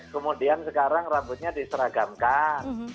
kemudian sekarang rambutnya diseragamkan